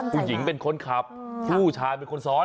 ผู้หญิงเป็นคนขับผู้ชายเป็นคนซ้อน